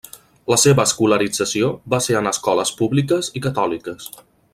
La seva escolarització va ser en escoles públiques i catòliques.